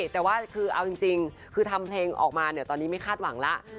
แต่ว่าคือเอาจริงคือทำเพลงออกมาเนี่ยตอนนี้ไม่คาดหวังแล้ว